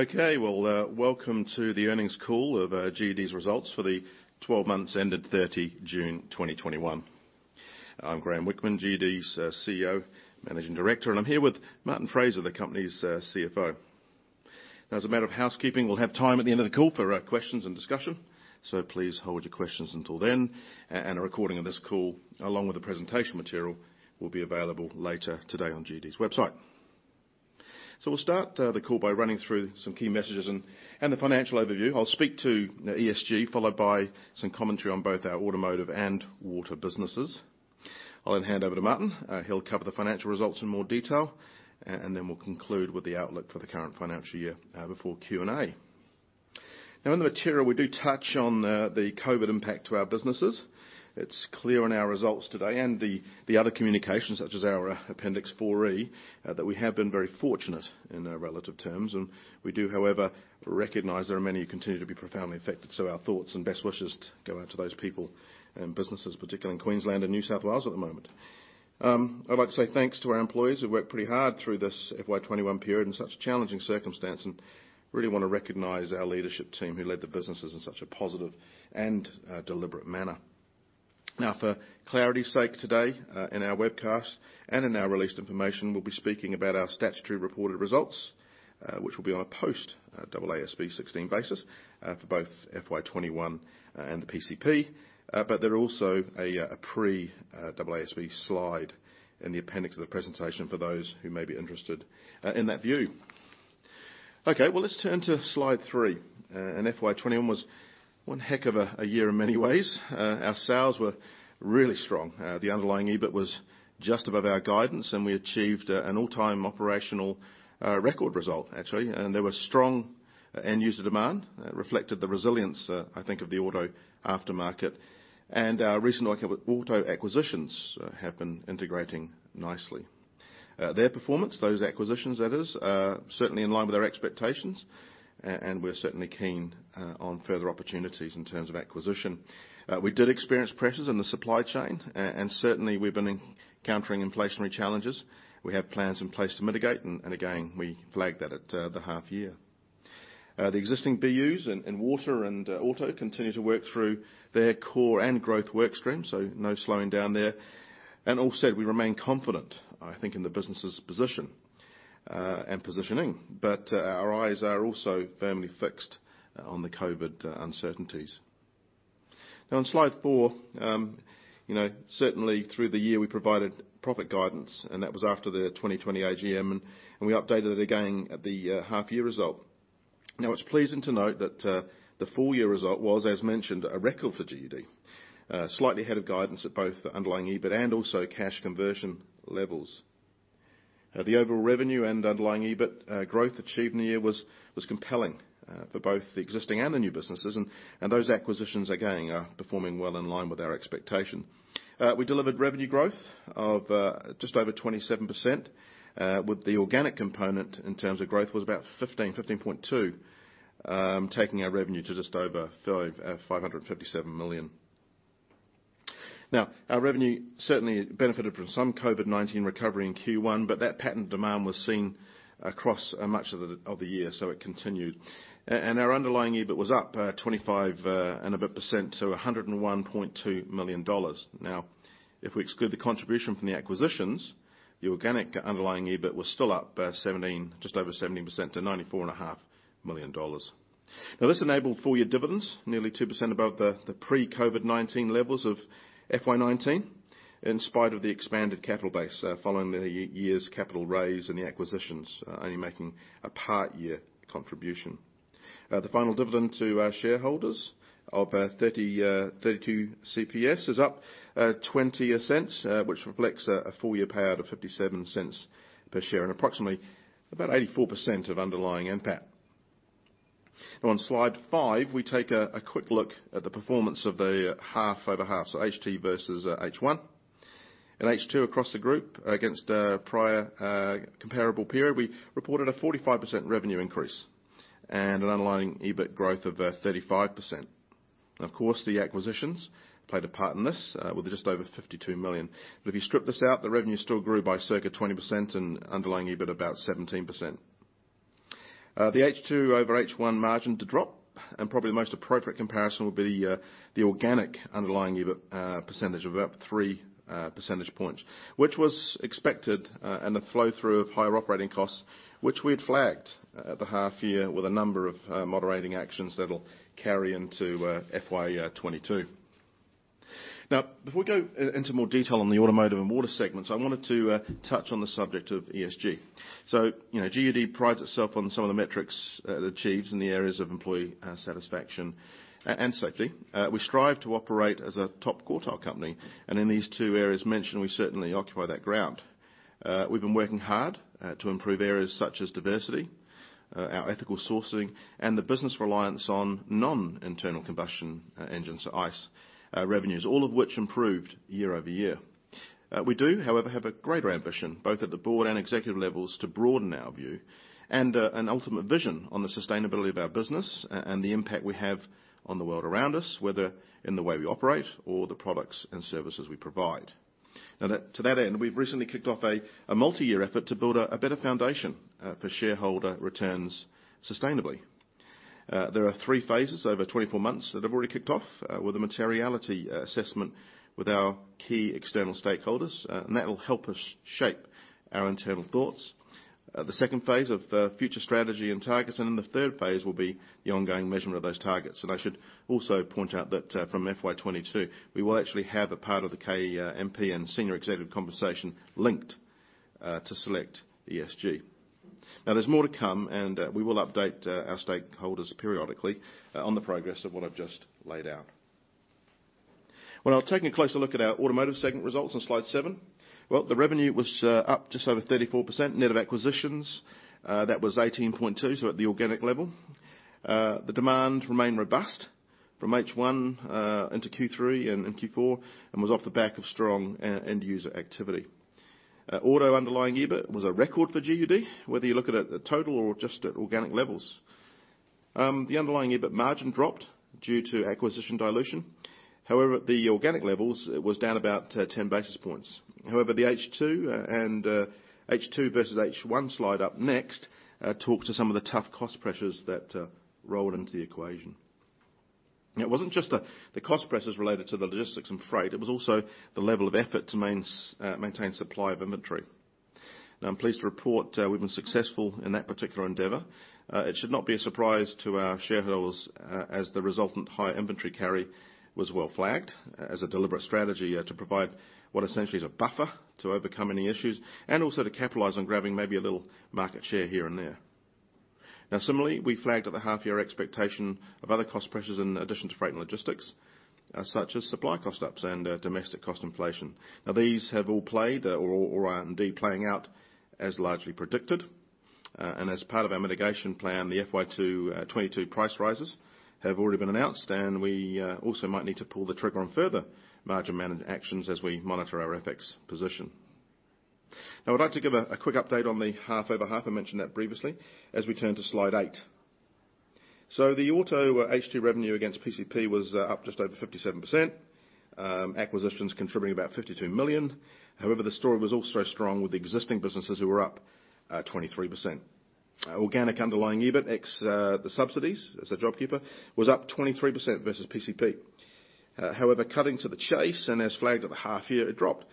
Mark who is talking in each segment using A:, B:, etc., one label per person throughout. A: Okay. Well, welcome to the earnings call of GUD's results for the 12 months ended 30 June 2021. I'm Graeme Whickman, GUD's CEO and Managing Director, and I'm here with Martin Fraser, the company's CFO. As a matter of housekeeping, we'll have time at the end of the call for questions and discussion, please hold your questions until then. A recording of this call, along with the presentation material, will be available later today on GUD's website. We'll start the call by running through some key messages and the financial overview. I'll speak to ESG, followed by some commentary on both our Automotive and Water businesses. I'll then hand over to Martin. He'll cover the financial results in more detail, then we'll conclude with the outlook for the current financial year before Q&A. In the material, we do touch on the COVID impact to our businesses. It's clear in our results today and the other communications, such as our Appendix 4E, that we have been very fortunate in relative terms. We do, however, recognize there are many who continue to be profoundly affected. Our thoughts and best wishes go out to those people and businesses, particularly in Queensland and New South Wales at the moment. I'd like to say thanks to our employees who worked pretty hard through this FY 2021 period in such challenging circumstance, and really want to recognize our leadership team who led the businesses in such a positive and deliberate manner. For clarity's sake today, in our webcast and in our released information, we'll be speaking about our statutory reported results, which will be on a post-AASB 16 basis for both FY 2021 and the PCP. There are also a pre-AASB slide in the appendix of the presentation for those who may be interested in that view. Okay. Well, let's turn to Slide 3. FY 2021 was one heck of a year in many ways. Our sales were really strong. The underlying EBIT was just above our guidance, and we achieved an all-time operational record result, actually. There was strong end-user demand that reflected the resilience, I think, of the auto aftermarket. Our recent auto acquisitions have been integrating nicely. Their performance, those acquisitions, that is, are certainly in line with our expectations. We're certainly keen on further opportunities in terms of acquisition. We did experience pressures in the supply chain, and certainly, we've been encountering inflationary challenges. We have plans in place to mitigate, and again, we flagged that at the half year. The existing BUs in Water and Auto continue to work through their core and growth work stream, so no slowing down there. All said, we remain confident, I think, in the business' position and positioning. Our eyes are also firmly fixed on the COVID uncertainties. On Slide 4, certainly through the year, we provided profit guidance, and that was after the 2020 AGM, and we updated it again at the half year result. It's pleasing to note that the full-year result was, as mentioned, a record for GUD. Slightly ahead of guidance at both the underlying EBITDA and also cash conversion levels. The overall revenue and underlying EBITDA growth achieved in the year was compelling for both the existing and the new businesses, and those acquisitions are again performing well in line with our expectation. We delivered revenue growth of just over 27%, with the organic component in terms of growth was about 15.2%, taking our revenue to just over 557 million. Our revenue certainly benefited from some COVID-19 recovery in Q1, but that pattern demand was seen across much of the year, so it continued. Our underlying EBIT was up 25 and a bit percent to 101.2 million dollars. If we exclude the contribution from the acquisitions, the organic underlying EBITDA was still up just over 17% to 94.5 million dollars. This enabled full-year dividends nearly 2% above the pre-COVID-19 levels of FY 2019, in spite of the expanded capital base following the year's capital raise and the acquisitions only making a part-year contribution. The final dividend to our shareholders of 0.32 is up 0.20, which reflects a full-year payout of 0.57 per share and approximately about 84% of underlying NPAT. On Slide 5, we take a quick look at the performance of the half-over-half, so H2 versus H1. In H2 across the group against prior comparable period, we reported a 45% revenue increase and an underlying EBITDA growth of 35%. Of course, the acquisitions played a part in this with just over 52 million. If you strip this out, the revenue still grew by circa 20% and underlying EBITDA about 17%. The H2 over H1 margin did drop, and probably the most appropriate comparison would be the organic underlying EBIT percentage of up 3 percentage points, which was expected, and the flow-through of higher operating costs, which we had flagged at the half year with a number of moderating actions that will carry into FY 2022. Before we go into more detail on the Automotive and Water segments, I wanted to touch on the subject of ESG. GUD prides itself on some of the metrics it achieves in the areas of employee satisfaction and safety. We strive to operate as a top quartile company, and in these two areas mentioned, we certainly occupy that ground. We have been working hard to improve areas such as diversity, our ethical sourcing, and the business reliance on non-internal combustion engines, so ICE revenues, all of which improved year-over-year. We do, however, have a greater ambition, both at the board and executive levels, to broaden our view and an ultimate vision on the sustainability of our business and the impact we have on the world around us, whether in the way we operate or the products and services we provide. To that end, we've recently kicked off a multi-year effort to build a better foundation for shareholder returns sustainably. There are three phases over 24 months that have already kicked off with a materiality assessment with our key external stakeholders, that will help us shape our internal thoughts. The second phase of future strategy and targets, then the third phase will be the ongoing measurement of those targets. I should also point out that from FY 2022, we will actually have a part of the KMP and senior executive conversation linked to select ESG. There's more to come, and we will update our stakeholders periodically on the progress of what I've just laid out. Taking a closer look at our automotive segment results on slide 7. The revenue was up just over 34%, net of acquisitions, that was 18.2%, so at the organic level. The demand remained robust from H1 into Q3 and in Q4, and was off the back of strong end user activity. Auto underlying EBIT was a record for GUD, whether you look at it at total or just at organic levels. The underlying EBIT margin dropped due to acquisition dilution. At the organic levels, it was down about 10 basis points. The H2 versus H1 slide up next, talks to some of the tough cost pressures that rolled into the equation. It wasn't just the cost pressures related to the logistics and freight, it was also the level of effort to maintain supply of inventory. I'm pleased to report we've been successful in that particular endeavor. It should not be a surprise to our shareholders, as the resultant high inventory carry was well flagged as a deliberate strategy to provide what essentially is a buffer to overcome any issues, and also to capitalize on grabbing maybe a little market share here and there. Similarly, we flagged at the half year expectation of other cost pressures in addition to freight and logistics, such as supply cost ups and domestic cost inflation. These have all played or are indeed playing out as largely predicted. As part of our mitigation plan, the FY 2022 price rises have already been announced, we also might need to pull the trigger on further margin management actions as we monitor our FX position. I'd like to give a quick update on the half-over-half, I mentioned that previously, as we turn to slide 8. The auto H2 revenue against PCP was up just over 57%, acquisitions contributing about 52 million. However, the story was also strong with the existing businesses who were up 23%. Organic underlying EBITDA ex the subsidies, so JobKeeper, was up 23% versus PCP. However, cutting to the chase and as flagged at the half-year, it dropped.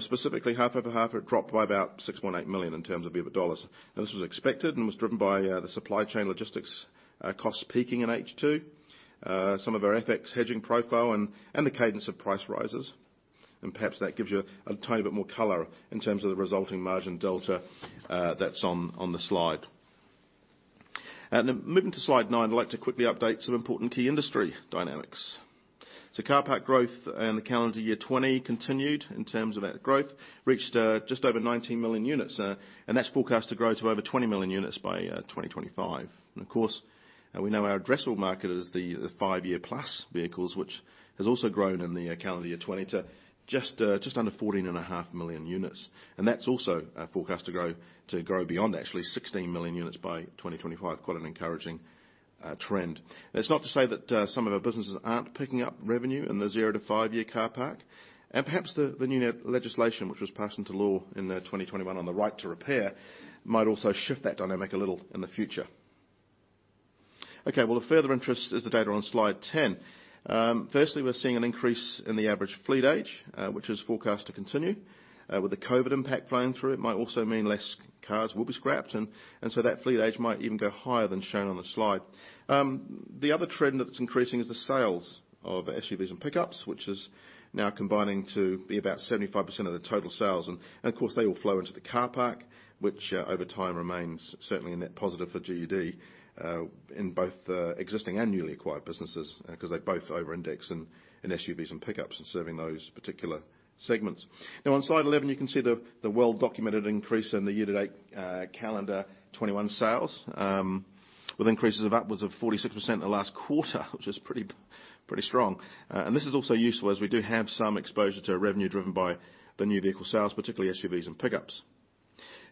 A: Specifically half-over-half it dropped by about 6.8 million in terms of EBITDA dollars. This was expected and was driven by the supply chain logistics costs peaking in H2. Some of our FX hedging profile and the cadence of price rises. Perhaps that gives you a tiny bit more color in terms of the resulting margin delta that's on the slide. Moving to slide 9, I would like to quickly update some important key industry dynamics. Car pack growth in the calendar year 2020 continued in terms of that growth, reached just over 19 million units. That's forecast to grow to over 20 million units by 2025. Of course, we know our addressable market is the five-year plus vehicles, which has also grown in the calendar year 2020 to just under 14.5 million units. That's also forecast to grow beyond actually 16 million units by 2025. Quite an encouraging trend. That's not to say that some of our businesses aren't picking up revenue in the 0 to five-year car park. Perhaps the new legislation, which was passed into law in 2021 on the right to repair, might also shift that dynamic a little in the future. Okay. Well, of further interest is the data on slide 10. Firstly, we are seeing an increase in the average fleet age, which is forecast to continue. With the COVID impact flowing through, it might also mean less cars will be scrapped. That fleet age might even go higher than shown on the slide. The other trend that is increasing is the sales of SUVs and pickups, which is now combining to be about 75% of the total sales. Of course, they all flow into the car park, which over time remains certainly a net positive for GUD in both existing and newly acquired businesses, because they both over-index in SUVs and pickups and serving those particular segments. On slide 11, you can see the well-documented increase in the year-to-date calendar 2021 sales, with increases of upwards of 46% in the last quarter which is pretty strong. This is also useful as we do have some exposure to revenue driven by the new vehicle sales, particularly SUVs and pickups.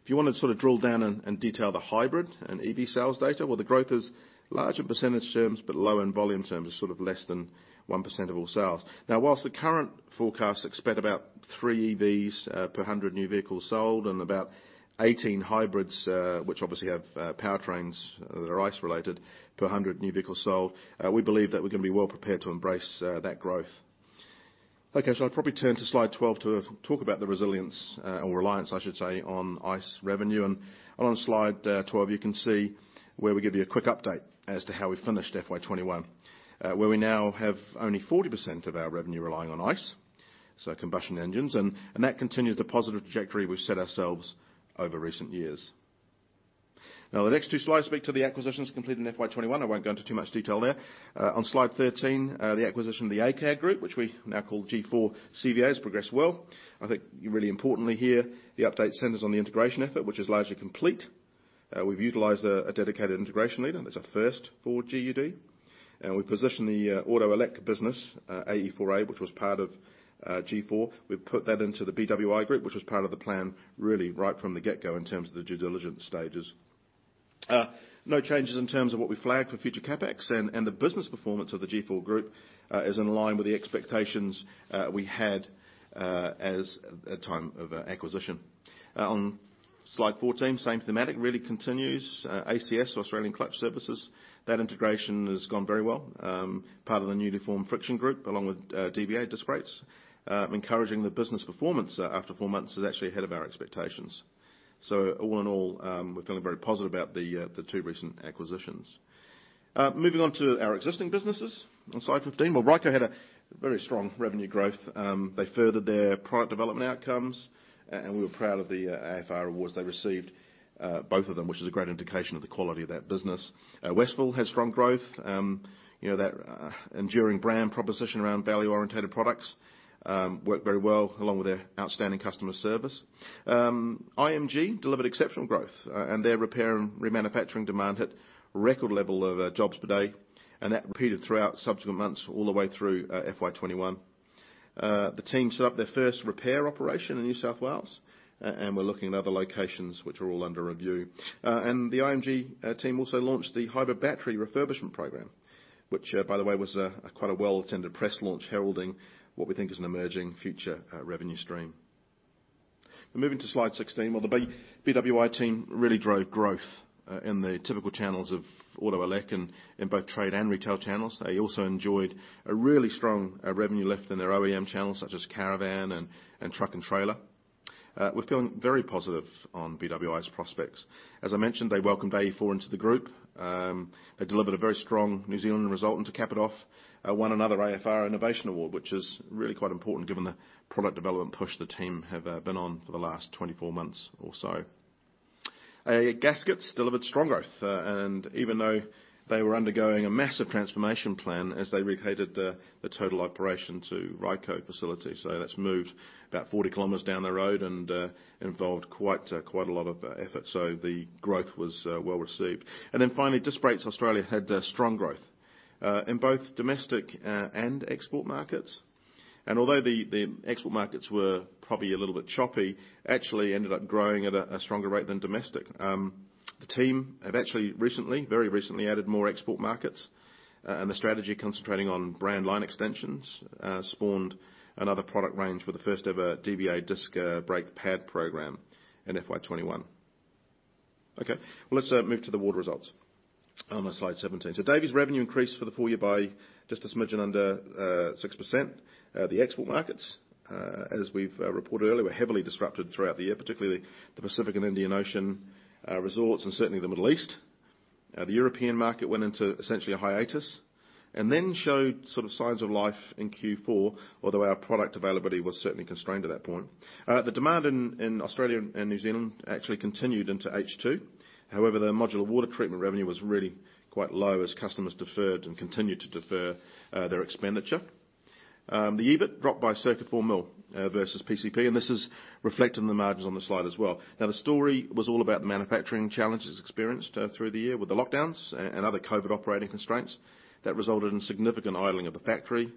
A: If you want to sort of drill down and detail the hybrid and EV sales data, well, the growth is large in percentage terms but low in volume terms. It's sort of less than 1% of all sales. Whilst the current forecasts expect about three EVs per 100 new vehicles sold and about 18 hybrids, which obviously have powertrains that are ICE related, per 100 new vehicles sold, we believe that we're going to be well prepared to embrace that growth. Okay. I'll probably turn to slide 12 to talk about the resilience or reliance, I should say, on ICE revenue. On slide 12, you can see where we give you a quick update as to how we finished FY 2021, where we now have only 40% of our revenue relying on ICE, so combustion engines, and that continues the positive trajectory we've set ourselves over recent years. The next two slides speak to the acquisitions completed in FY 2021. I won't go into too much detail there. On slide 13, the acquisition of the ACAD group, which we now call G4CVA, has progressed well. Really importantly here, the update centers on the integration effort, which is largely complete. We've utilized a dedicated integration leader. That's a first for GUD. We positioned the Auto Elect business, AE4A, which was part of G4. We've put that into the BWI, which was part of the plan really right from the get-go in terms of the due diligence stages. No changes in terms of what we flagged for future CapEx and the business performance of the G4CVA is in line with the expectations we had at the time of acquisition. On slide 14, same thematic really continues. ACS, Australian Clutch Services, that integration has gone very well. Part of the newly formed Friction Group along with DBA Disc Brakes. Encouraging the business performance after four months is actually ahead of our expectations. All in all, we're feeling very positive about the two recent acquisitions. Moving on to our existing businesses on slide 15. Ryco had a very strong revenue growth. They furthered their product development outcomes, we were proud of the AFR Awards they received, both of them, which is a great indication of the quality of that business. Wesfil has strong growth. That enduring brand proposition around value-orientated products worked very well along with their outstanding customer service. IMG delivered exceptional growth, their repair and remanufacturing demand hit record level of jobs per day, that repeated throughout subsequent months all the way through FY 2021. The team set up their first repair operation in New South Wales, we're looking at other locations which are all under review. The IMG team also launched the hybrid battery refurbishment program. Which, by the way, was quite a well-attended press launch heralding what we think is an emerging future revenue stream. Moving to slide 16. The BWI team really drove growth in the typical channels of auto elec in both trade and retail channels. They also enjoyed a really strong revenue lift in their OEM channels such as caravan and truck and trailer. We're feeling very positive on BWI's prospects. As I mentioned, they welcomed AE4A into the group. They delivered a very strong New Zealand result, and to cap it off, won another AFR Innovation Award, which is really quite important given the product development push the team have been on for the last 24 months or so. Gaskets delivered strong growth, and even though they were undergoing a massive transformation plan as they relocated the total operation to Ryco facility. That's moved about 40 kilometers down the road and involved quite a lot of effort. The growth was well-received. Then finally, Disc Brakes Australia had strong growth in both domestic and export markets. Although the export markets were probably a little bit choppy, actually ended up growing at a stronger rate than domestic. The team have actually recently, very recently, added more export markets, and the strategy concentrating on brand line extensions spawned another product range with the first-ever DBA Disc Brake pad program in FY 2021. Okay. Let's move to the water results on slide 17. Davey's revenue increased for the full year by just a smidgen under 6%. The export markets, as we've reported earlier, were heavily disrupted throughout the year, particularly the Pacific and Indian Ocean resorts and certainly the Middle East. The European market went into essentially a hiatus and then showed signs of life in Q4, although our product availability was certainly constrained at that point. The demand in Australia and New Zealand actually continued into H2. The modular water treatment revenue was really quite low as customers deferred and continued to defer their expenditure. The EBITDA dropped by circa 4 million versus PCP, and this is reflected in the margins on the slide as well. The story was all about the manufacturing challenges experienced through the year with the lockdowns and other COVID operating constraints that resulted in significant idling of the factory,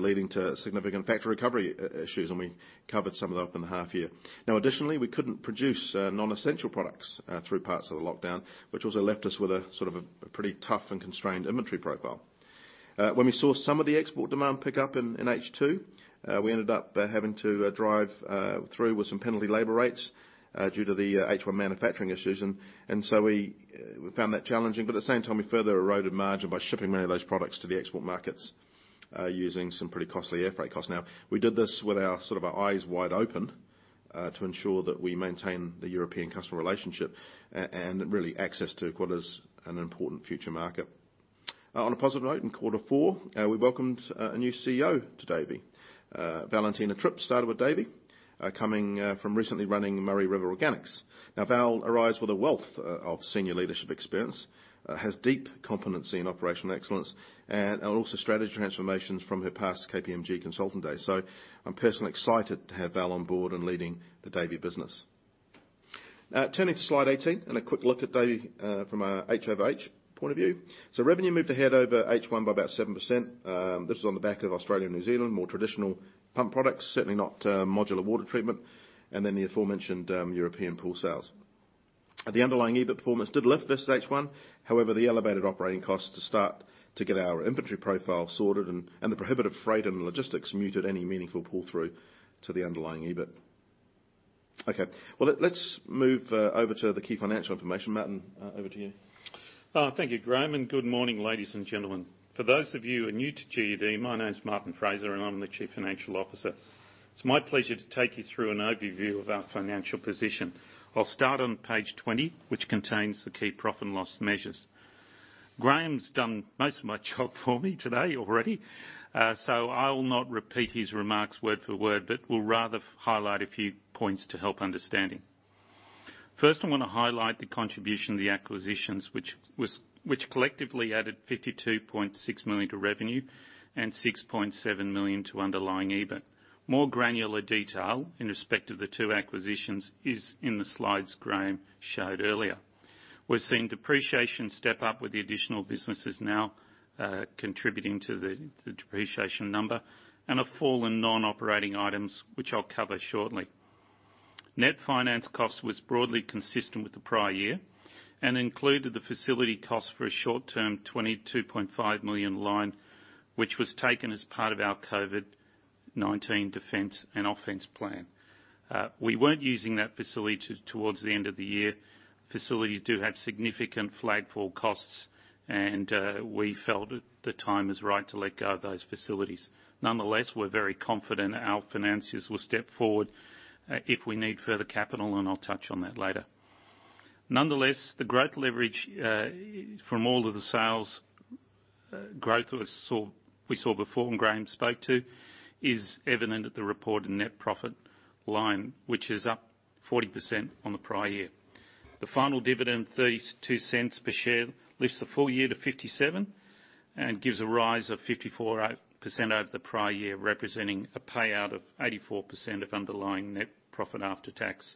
A: leading to significant factory recovery issues, and we covered some of that up in the half year. Additionally, we couldn't produce non-essential products through parts of the lockdown, which also left us with a pretty tough and constrained inventory profile. When we saw some of the export demand pick up in H2, we ended up having to drive through with some penalty labor rates due to the H1 manufacturing issues, and so we found that challenging. At the same time, we further eroded margin by shipping many of those products to the export markets using some pretty costly airfreight costs. Now, we did this with our eyes wide open to ensure that we maintain the European customer relationship and really access to what is an important future market. On a positive note, in quarter four, we welcomed a new CEO to Davey. Valentina Tripp started with Davey, coming from recently running Murray River Organics. Now, Val arrives with a wealth of senior leadership experience, has deep competency in operational excellence, and also strategy transformations from her past KPMG consultant days. I'm personally excited to have Val on board and leading the Davey business. Turning to slide 18 and a quick look at Davey from a H over H point of view. Revenue moved ahead over H1 by about 7%. This is on the back of Australia and New Zealand, more traditional pump products, certainly not modular water treatment, and then the aforementioned European pool sales. The underlying EBITDA performance did lift versus H1. The elevated operating costs to start to get our inventory profile sorted and the prohibitive freight and logistics muted any meaningful pull-through to the underlying EBITDA. Let's move over to the key financial information. Martin, over to you.
B: Thank you, Graeme, and good morning, ladies and gentlemen. For those of you who are new to Amotiv, my name's Martin Fraser, and I'm the chief financial officer. It's my pleasure to take you through an overview of our financial position. I'll start on page 20, which contains the key profit and loss measures. Graeme's done most of my job for me today already. I will not repeat his remarks word for word, but will rather highlight a few points to help understanding. First, I want to highlight the contribution of the acquisitions, which collectively added 52.6 million to revenue and 6.7 million to underlying EBITDA. More granular detail in respect of the two acquisitions is in the slides Graeme showed earlier. We're seeing depreciation step up with the additional businesses now contributing to the depreciation number and a fall in non-operating items, which I'll cover shortly. Net finance cost was broadly consistent with the prior year and included the facility cost for a short-term 22.5 million line, which was taken as part of our COVID-19 defense and offense plan. We weren't using that facility towards the end of the year. Facilities do have significant flag fall costs, and we felt the time is right to let go of those facilities. Nonetheless, we're very confident our financiers will step forward, if we need further capital, and I'll touch on that later. Nonetheless, the great leverage from all of the sales growth we saw before and Graeme spoke to is evident at the reported net profit line, which is up 40% on the prior year. The final dividend, 0.32 per share, lifts the full year to 0.57 and gives a rise of 54% over the prior year, representing a payout of 84% of underlying net profit after tax.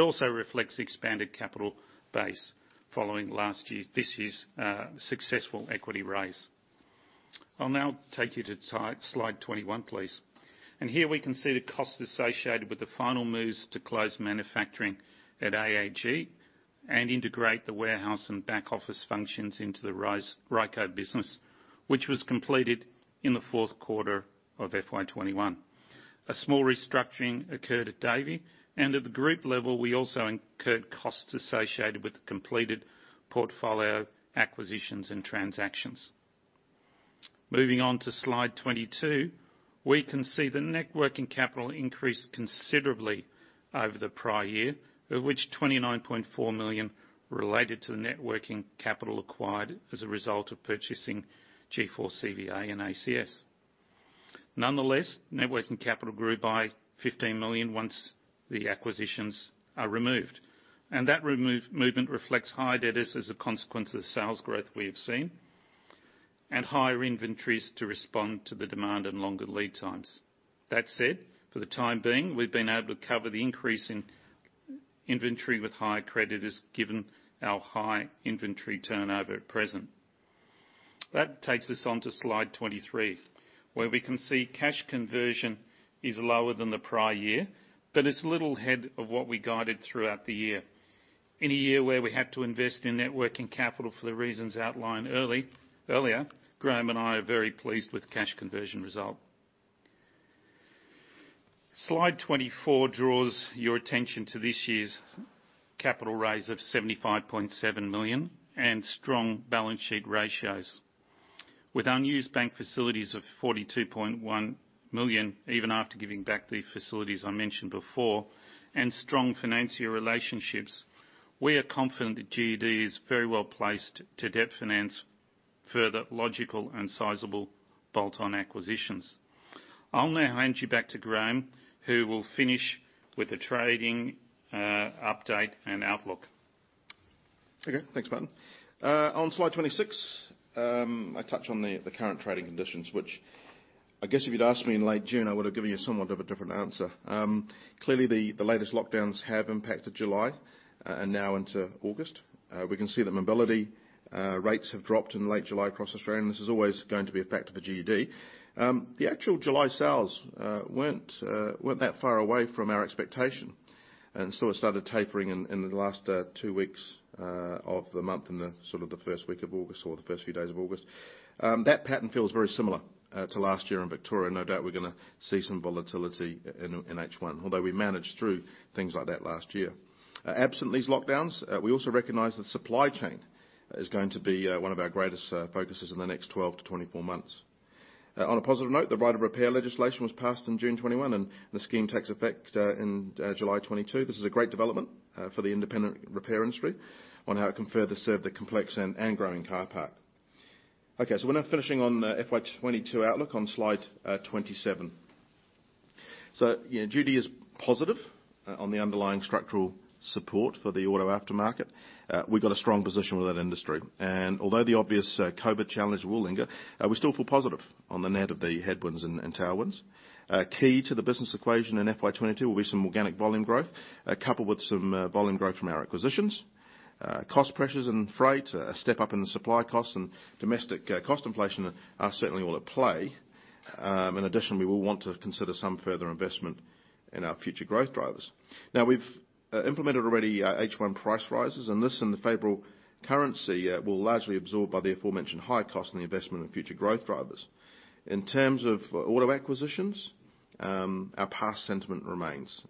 B: Also reflects the expanded capital base following this year's successful equity raise. I will now take you to slide 21, please. Here we can see the cost associated with the final moves to close manufacturing at AAG and integrate the warehouse and back office functions into the Ryco business, which was completed in the fourth quarter of FY 2021. A small restructuring occurred at Davey. At the group level, we also incurred costs associated with the completed portfolio acquisitions and transactions. Moving on to Slide 22, we can see the net working capital increased considerably over the prior year, of which 29.4 million related to the net working capital acquired as a result of purchasing G4CVA and ACS. Nonetheless, net working capital grew by 15 million, once the acquisitions are removed. That movement reflects higher debtors as a consequence of the sales growth we have seen and higher inventories to respond to the demand and longer lead times. That said, for the time being, we've been able to cover the increase in inventory with higher creditors, given our high inventory turnover at present. That takes us on to Slide 23, where we can see cash conversion is lower than the prior year, but it's little ahead of what we guided throughout the year. In a year where we had to invest in net working capital for the reasons outlined earlier, Graeme and I are very pleased with the cash conversion result. Slide 24 draws your attention to this year's capital raise of 75.7 million and strong balance sheet ratios. With unused bank facilities of 42.1 million, even after giving back the facilities I mentioned before, and strong financier relationships, we are confident that GUD is very well-placed to debt finance further logical and sizable bolt-on acquisitions. I'll now hand you back to Graeme, who will finish with the trading update and outlook.
A: Okay. Thanks, Martin. On Slide 26, I touch on the current trading conditions, which I guess if you'd asked me in late June, I would have given you somewhat of a different answer. Clearly, the latest lockdowns have impacted July, and now into August. We can see that mobility rates have dropped in late July across Australia, and this is always going to be a factor for GUD. The actual July sales weren't that far away from our expectation and sort of started tapering in the last two weeks of the month and the sort of the first week of August or the first few days of August. That pattern feels very similar to last year in Victoria. No doubt we're going to see some volatility in H1, although we managed through things like that last year. Absent these lockdowns, we also recognize that supply chain is going to be one of our greatest focuses in the next 12 to 24 months. On a positive note, the right of repair legislation was passed in June 2021, and the scheme takes effect in July 2022. This is a great development for the independent repair industry on how it can further serve the complex and growing car park. We're now finishing on FY 2022 outlook on Slide 27. GUD is positive on the underlying structural support for the auto aftermarket. We've got a strong position with that industry. Although the obvious COVID challenge will linger, we still feel positive on the net of the headwinds and tailwinds. Key to the business equation in FY 2022 will be some organic volume growth, coupled with some volume growth from our acquisitions. Cost pressures and freight, a step up in the supply costs, and domestic cost inflation are certainly all at play. In addition, we will want to consider some further investment in our future growth drivers. We've implemented already H1 price rises, and this and the favorable currency will largely absorb by the aforementioned high cost and the investment in future growth drivers. In terms of auto acquisitions, our past sentiment remains.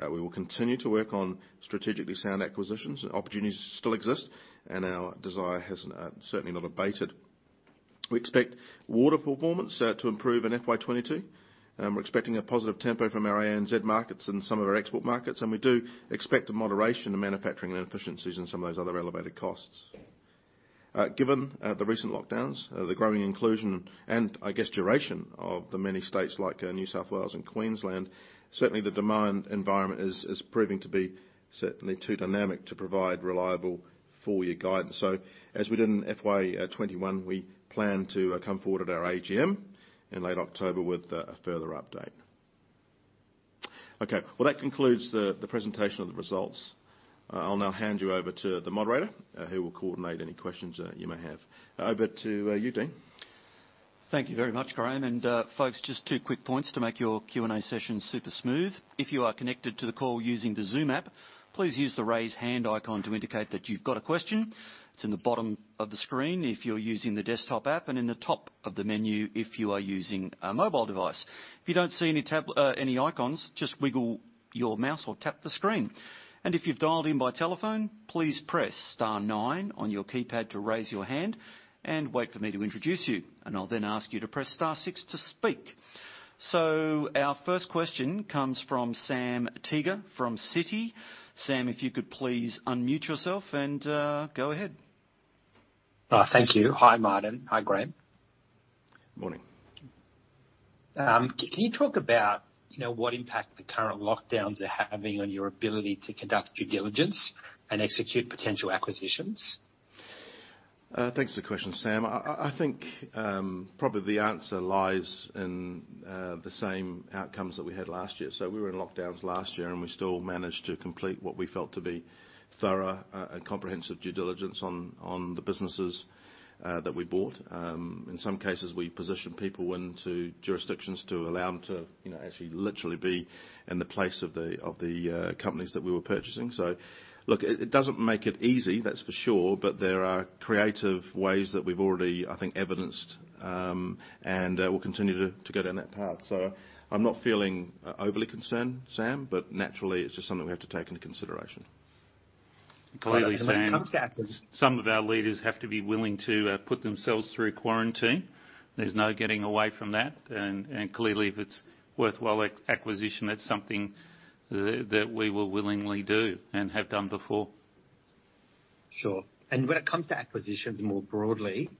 A: We will continue to work on strategically sound acquisitions. Opportunities still exist, and our desire has certainly not abated. We expect auto performance to improve in FY 2022. We're expecting a positive tempo from our ANZ markets and some of our export markets, and we do expect a moderation in manufacturing inefficiencies and some of those other elevated costs. Given the recent lockdowns, the growing inclusion, and I guess duration of the many states like New South Wales and Queensland, certainly the demand environment is proving to be certainly too dynamic to provide reliable full-year guidance. As we did in FY 2021, we plan to come forward at our AGM in late October with a further update. Okay. Well, that concludes the presentation of the results. I will now hand you over to the moderator, who will coordinate any questions you may have. Over to you, Dean.
C: Thank you very much, Graeme. Folks, just two quick points to make your Q&A session super smooth. If you are connected to the call using the Zoom app, please use the raise hand icon to indicate that you've got a question. It's in the bottom of the screen if you're using the desktop app and in the top of the menu if you are using a mobile device. If you don't see any icons, just wiggle your mouse or tap the screen. If you've dialed in by telephone, please press star nine on your keypad to raise your hand and wait for me to introduce you. I'll then ask you to press star six to speak. Our first question comes from Sam Teeger from Citi. Sam, if you could please unmute yourself and go ahead.
D: Thank you. Hi, Martin. Hi, Graeme.
A: Morning.
D: Can you talk about what impact the current lockdowns are having on your ability to conduct due diligence and execute potential acquisitions?
A: Thanks for the question, Sam. I think probably the answer lies in the same outcomes that we had last year. We were in lockdowns last year, and we still managed to complete what we felt to be thorough and comprehensive due diligence on the businesses that we bought. In some cases, we positioned people into jurisdictions to allow them to actually literally be in the place of the companies that we were purchasing. Look, it doesn't make it easy, that's for sure, but there are creative ways that we've already, I think, evidenced, and we'll continue to go down that path. I'm not feeling overly concerned, Sam, but naturally it's just something we have to take into consideration. Clearly, Sam-
D: When it comes to acquisitions.
A: some of our leaders have to be willing to put themselves through quarantine. There's no getting away from that. Clearly if it's worthwhile acquisition, that's something that we will willingly do and have done before.
D: Sure. When it comes to acquisitions more broadly,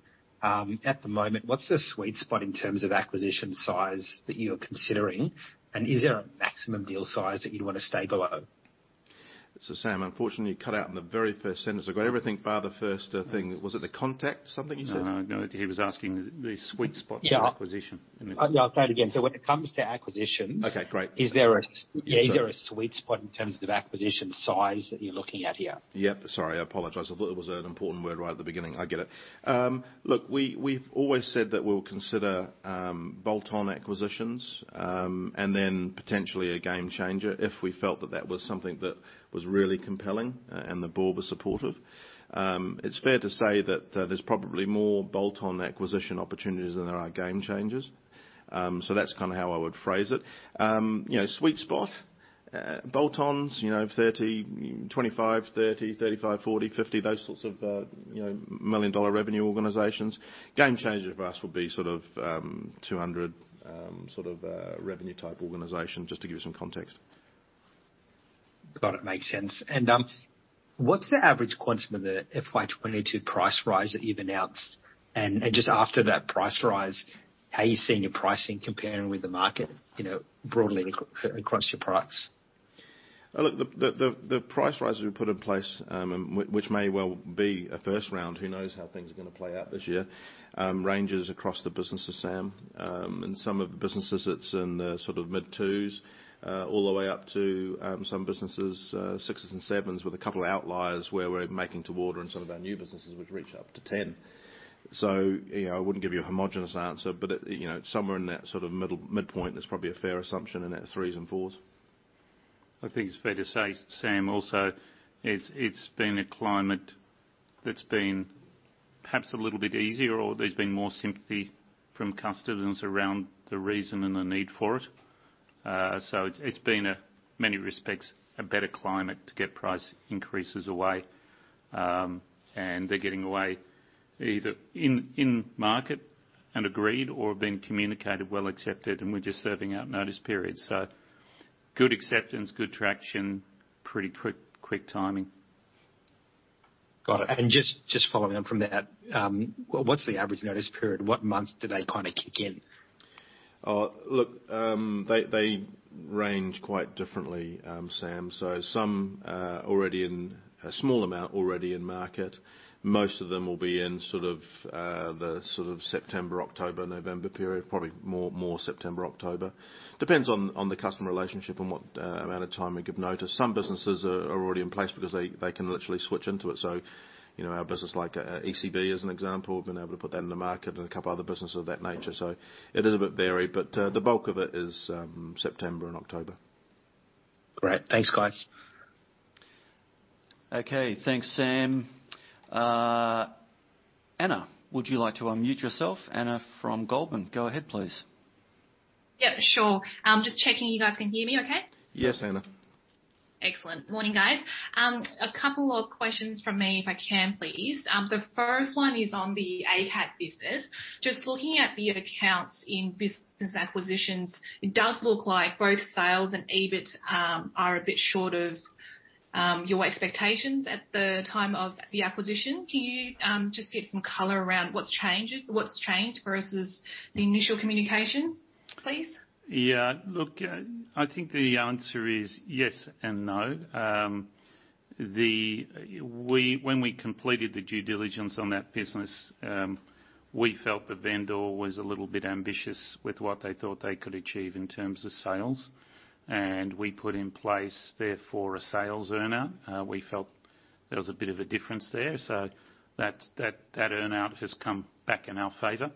D: at the moment, what's the sweet spot in terms of acquisition size that you're considering? Is there a maximum deal size that you'd want to stay below?
A: Sam, unfortunately, you cut out in the very first sentence. I got everything bar the first thing. Was it the context, something you said?
C: No, he was asking the sweet spot for acquisition.
D: Yeah. I'll play it again. When it comes to acquisitions.
A: Okay, great.
D: Is there a sweet spot in terms of acquisition size that you're looking at here?
A: Yep, sorry, I apologize. I thought there was an important word right at the beginning. I get it. Look, we've always said that we'll consider bolt-on acquisitions, and then potentially a game changer if we felt that that was something that was really compelling and the board was supportive. It's fair to say that there's probably more bolt-on acquisition opportunities than there are game changers. That's how I would phrase it. Sweet spot, bolt-ons, 30 million, 25 million, 30 million, 35 million, 40 million, 50 million, those sorts of revenue organizations. Game changer for us would be 200 million revenue type organization, just to give you some context.
D: Got it, makes sense. What's the average quantum of the FY 2022 price rise that you've announced? Just after that price rise, how are you seeing your pricing comparing with the market broadly across your products?
A: Look, the price rises we put in place, which may well be a first round, who knows how things are going to play out this year, ranges across the business, Sam. In some of the businesses, it's in the mid 2s, all the way up to some businesses, 6s and 7s with a couple of outliers where we're making to order in some of our new businesses, which reach up to 10. I wouldn't give you a homogenous answer, but somewhere in that middle midpoint is probably a fair assumption, and that's 3s and 4s. I think it's fair to say, Sam, also, it's been a climate that's been perhaps a little bit easier or there's been more sympathy from customers around the reason and the need for it. It's been, in many respects, a better climate to get price increases away. They're getting away either in market and agreed or been communicated well accepted, and we're just serving out notice periods. Good acceptance, good traction, pretty quick timing.
D: Got it. Just following on from that, what's the average notice period? What month do they kick in?
A: Look, they range quite differently, Sam. Some a small amount already in market. Most of them will be in the September, October, November period, probably more September, October. Depends on the customer relationship and what amount of time we give notice. Some businesses are already in place because they can literally switch into it. Our business like ECB as an example, we've been able to put that in the market and a couple of other businesses of that nature. It is a bit varied, but the bulk of it is September and October.
D: Great. Thanks, guys.
C: Okay, thanks, Sam. Anna, would you like to unmute yourself? Anna from Goldman. Go ahead, please.
E: Yep, sure. Just checking you guys can hear me okay?
A: Yes, Anna.
E: Excellent. Morning, guys. A couple of questions from me, if I can, please. The first one is on the ACAD business. Just looking at the accounts in business acquisitions, it does look like both sales and EBITDA are a bit short of your expectations at the time of the acquisition. Can you just give some color around what's changed versus the initial communication, please?
B: Yeah, look, I think the answer is yes and no. When we completed the due diligence on that business, we felt the vendor was a little bit ambitious with what they thought they could achieve in terms of sales. We put in place, therefore, a sales earn-out. We felt there was a bit of a difference there. That earn-out has come back in our favor.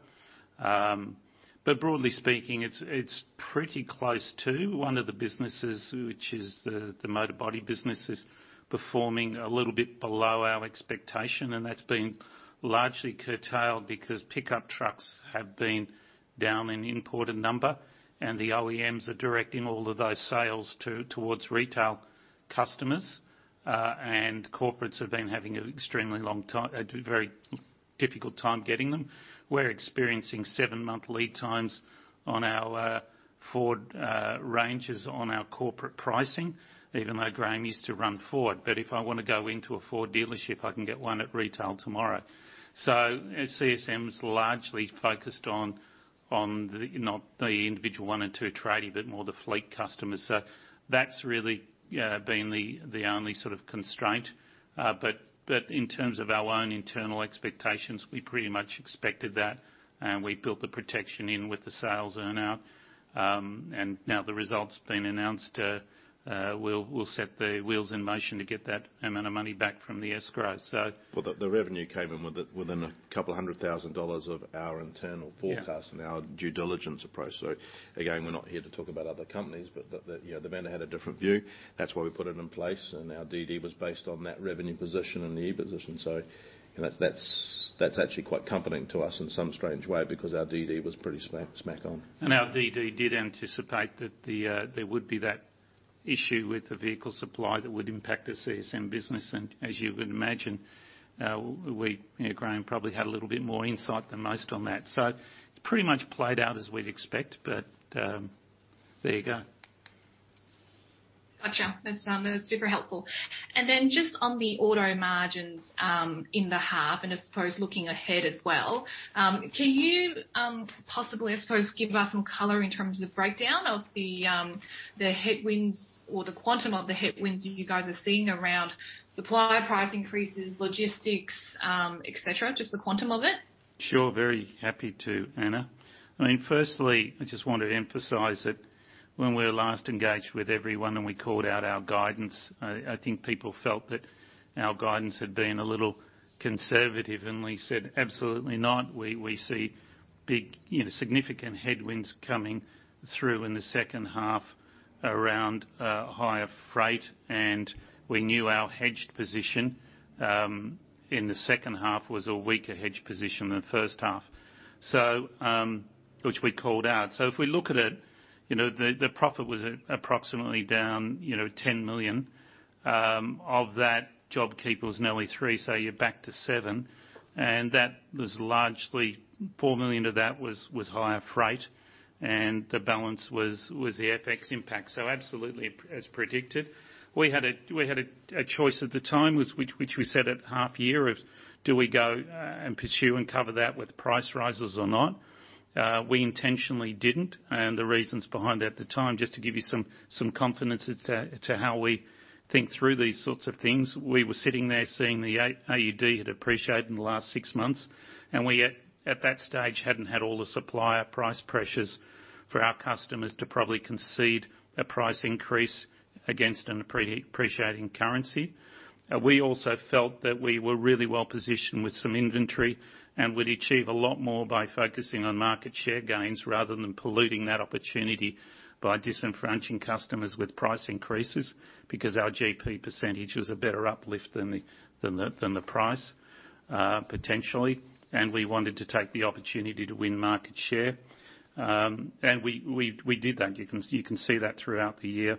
B: Broadly speaking, it's pretty close to one of the businesses, which is the motor body business is performing a little bit below our expectation, and that's been largely curtailed because pickup trucks have been down in imported number and the OEMs are directing all of those sales towards retail customers. Corporates have been having an extremely long time. A very difficult time getting them. We're experiencing seven-month lead times on our Ford ranges on our corporate pricing, even though Graeme Whickman used to run Ford. If I want to go into a Ford dealership, I can get one at retail tomorrow. CSM is largely focused on not the individual one and two tradie, but more the fleet customers. That's really been the only sort of constraint. In terms of our own internal expectations, we pretty much expected that, and we built the protection in with the sales earn-out. Now the result's been announced, we'll set the wheels in motion to get that amount of money back from the escrow.
A: Well, the revenue came in within 200,000 dollars of our internal forecast.
B: Yeah
A: Our due diligence approach. Again, we're not here to talk about other companies, but the vendor had a different view. That's why we put it in place. Our DD was based on that revenue position and the E position. That's actually quite comforting to us in some strange way because our DD was pretty smack on.
B: Our DD did anticipate that there would be that issue with the vehicle supply that would impact the CSM business. As you would imagine, we, Graeme, probably had a little bit more insight than most on that. It's pretty much played out as we'd expect, but there you go.
E: Gotcha. That's super helpful. Then just on the auto margins, in the half, and I suppose looking ahead as well, can you possibly, I suppose, give us some color in terms of breakdown of the headwinds or the quantum of the headwinds that you guys are seeing around supply price increases, logistics, et cetera, just the quantum of it?
B: Very happy to, Anna. I just want to emphasize that when we last engaged with everyone and we called out our guidance, people felt that our guidance had been a little conservative and we said, "Absolutely not." We see big significant headwinds coming through in the second half around higher freight. We knew our hedged position, in the second half was a weaker hedge position than the first half, which we called out. If we look at it, the profit was approximately down 10 million. Of that, JobKeeper's nearly 3 million, so you're back to 7 million, and that was largely 4 million of that was higher freight and the balance was the FX impact. Absolutely as predicted. We had a choice at the time, which we set at half year of do we go and pursue and cover that with price rises or not? We intentionally didn't. The reasons behind that at the time, just to give you some confidence as to how we think through these sorts of things. We were sitting there seeing the AUD had appreciated in the last six months, and we at that stage hadn't had all the supplier price pressures for our customers to probably concede a price increase against an appreciating currency. We also felt that we were really well-positioned with some inventory and would achieve a lot more by focusing on market share gains rather than polluting that opportunity by disenfranchising customers with price increases because our GP % was a better uplift than the price, potentially. We wanted to take the opportunity to win market share. We did that. You can see that throughout the year.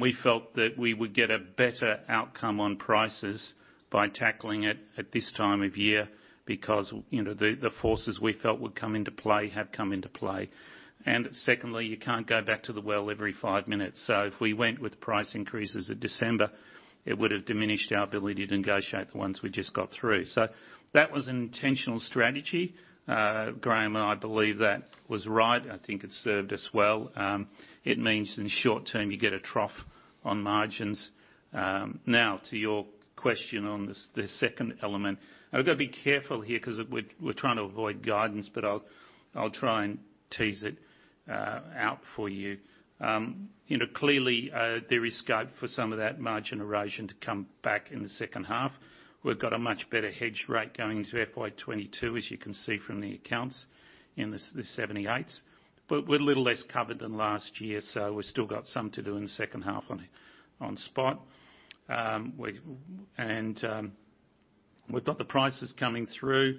B: We felt that we would get a better outcome on prices by tackling it at this time of year because the forces we felt would come into play have come into play. Secondly, you can't go back to the well every five minutes. If we went with price increases in December, it would've diminished our ability to negotiate the ones we just got through. That was an intentional strategy. Graeme and I believe that was right. I think it served us well. It means in the short term, you get a trough on margins. Now to your question on the second element. I've got to be careful here because we're trying to avoid guidance, but I'll try and tease it out for you. Clearly, there is scope for some of that margin erosion to come back in the second half. We've got a much better hedge rate going into FY 2022, as you can see from the accounts in the 0.78. We're a little less covered than last year, so we've still got some to do in the second half on spot. We've got the prices coming through.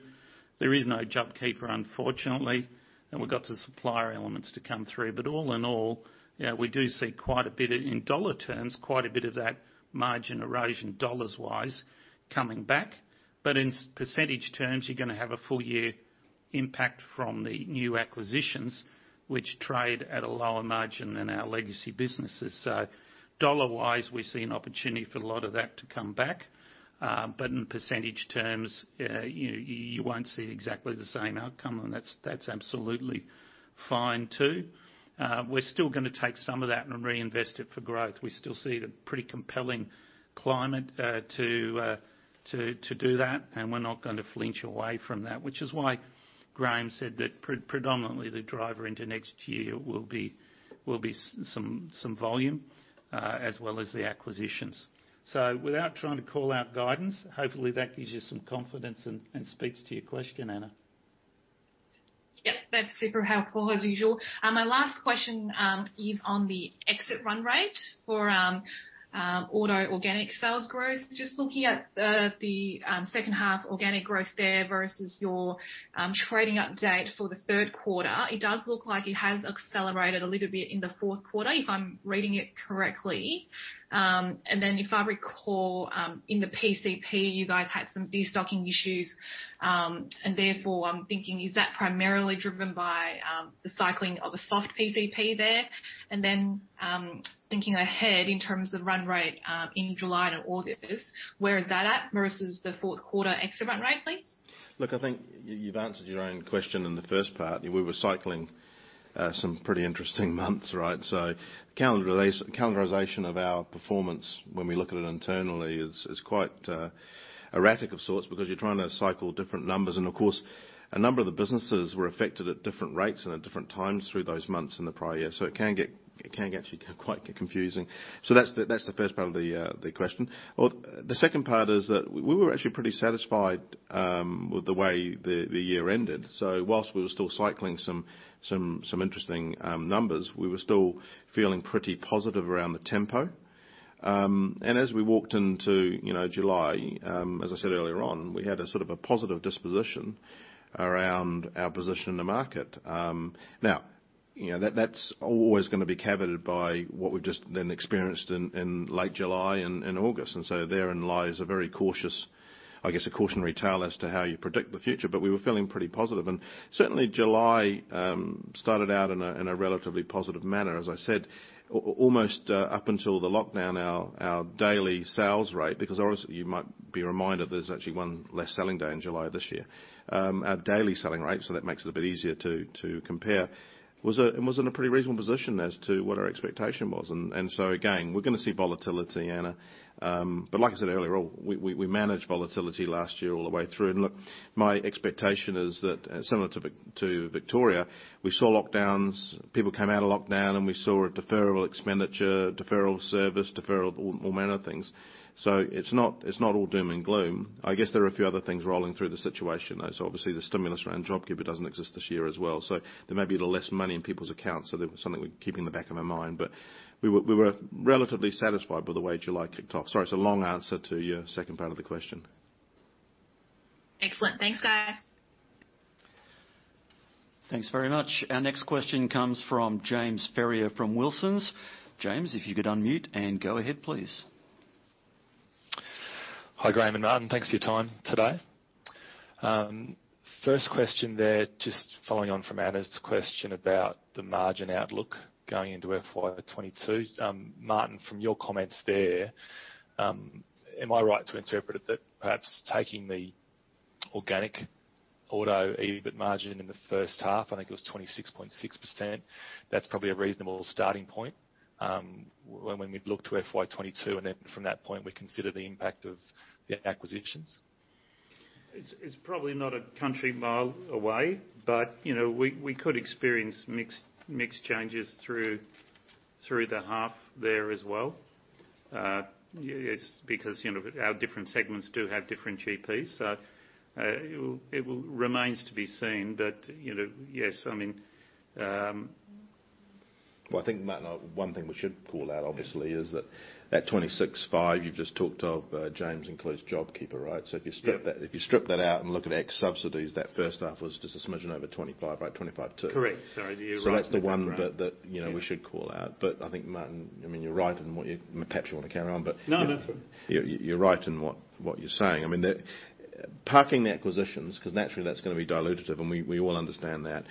B: There is no JobKeeper, unfortunately, and we've got the supplier elements to come through. All in all, we do see quite a bit in dollar terms, quite a bit of that margin erosion dollars-wise coming back. In percentage terms, you're going to have a full year Impact from the new acquisitions, which trade at a lower margin than our legacy businesses. Dollar-wise, we see an opportunity for a lot of that to come back. In percentage terms, you won't see exactly the same outcome. That's absolutely fine, too. We're still going to take some of that and reinvest it for growth. We still see a pretty compelling climate to do that, and we're not going to flinch away from that. Which is why Graeme said that predominantly the driver into next year will be some volume, as well as the acquisitions. Without trying to call out guidance, hopefully, that gives you some confidence and speaks to your question, Anna.
E: Yep. That's super helpful as usual. My last question is on the exit run rate for auto organic sales growth. Just looking at the second half organic growth there versus your trading update for the third quarter. It does look like it has accelerated a little bit in the fourth quarter, if I'm reading it correctly. If I recall, in the PCP, you guys had some de-stocking issues, and therefore, I'm thinking, is that primarily driven by the cycling of a soft PCP there? Thinking ahead in terms of run rate, in July to August, where is that at versus the fourth quarter exit run rate, please?
A: Look, I think you've answered your own question in the first part. We were cycling some pretty interesting months, right? Calendarization of our performance when we look at it internally is quite erratic of sorts, because you're trying to cycle different numbers. Of course, a number of the businesses were affected at different rates and at different times through those months in the prior year. It can actually quite get confusing. That's the first part of the question. The second part is that we were actually pretty satisfied with the way the year ended. Whilst we were still cycling some interesting numbers, we were still feeling pretty positive around the tempo. As we walked into July, as I said earlier on, we had a sort of a positive disposition around our position in the market. That's always going to be caveated by what we've just then experienced in late July and August. Therein lies a very cautious, I guess, a cautionary tale as to how you predict the future, but we were feeling pretty positive. Certainly, July started out in a relatively positive manner. As I said, almost up until the lockdown our daily sales rate, because obviously you might be reminded there's actually one less selling day in July this year. Our daily selling rate, so that makes it a bit easier to compare, was in a pretty reasonable position as to what our expectation was. Again, we're going to see volatility, Anna. Like I said earlier, we managed volatility last year all the way through. Look, my expectation is that similar to Victoria, we saw lockdowns. People came out of lockdown, and we saw a deferral of expenditure, deferral of service, deferral of all manner of things. It's not all doom and gloom. I guess there are a few other things rolling through the situation, though. Obviously the stimulus around JobKeeper doesn't exist this year as well. There may be a little less money in people's accounts. That was something we keep in the back of my mind. We were relatively satisfied with the way July kicked off. Sorry, it's a long answer to your second part of the question.
E: Excellent. Thanks, guys.
C: Thanks very much. Our next question comes from James Ferrier from Wilsons. James, if you could unmute and go ahead, please.
F: Hi, Graeme and Martin. Thanks for your time today. First question there, just following on from Anna's question about the margin outlook going into FY 2022. Martin, from your comments there, am I right to interpret it that perhaps taking the organic auto EBITDA margin in the first half, I think it was 26.6%, that's probably a reasonable starting point when we look to FY 2022, from that point, we consider the impact of the acquisitions?
B: It's probably not a country mile away, we could experience mixed changes through the half there as well. Our different segments do have different GPs. It will remains to be seen. Yes. I think,
A: Martin, one thing we should call out obviously is that 26.5% you've just talked of, James, includes JobKeeper, right?
B: Yep.
A: If you strip that out and look at ex-subsidies, that first half was just a smidgen over 25, right? 25.2. Correct. Sorry, you're right. I think, Martin, you're right and perhaps you want to carry on. No, that's all right, you're right in what you're saying. Parking the acquisitions, because naturally that's going to be dilutive, and we all understand that.